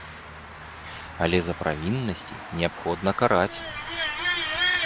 Але за правіннасці неабходна караць!